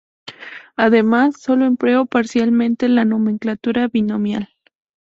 Además solo empleó parcialmente la nomenclatura binomial.